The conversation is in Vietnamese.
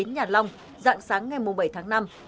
lê nguyễn hoàng long dạng sáng ngày bảy tháng năm